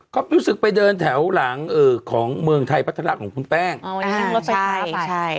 ก็รู้สึกไปเดินแถวหลังของเมืองไทยพัฒนาของคุณแป้งใช่